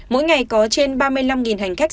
mỗi ngày có trên ba mươi năm hành khách